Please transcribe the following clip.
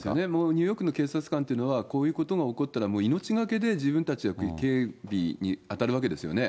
ニューヨークの警察官というのは、こういうことが起こったら、もう命がけで自分たちは警備に当たるわけですよね。